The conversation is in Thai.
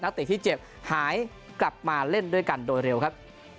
เตะที่เจ็บหายกลับมาเล่นด้วยกันโดยเร็วครับ